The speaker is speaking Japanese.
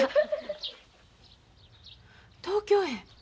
東京へ？